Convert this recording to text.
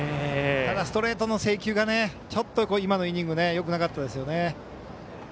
ただ、ストレートの制球がちょっと今のイニングよくなかったですよね。